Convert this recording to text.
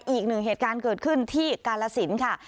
อีกหนึ่งเหตุการณ์เกิดขึ้นที่กาลสินค่ะ